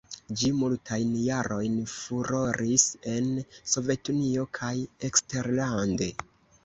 Ĝi multajn jarojn furoris en Sovetunio kaj eksterlande.